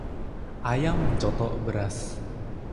ayam mencotok beras